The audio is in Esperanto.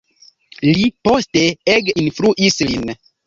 Li poste ege influis lin.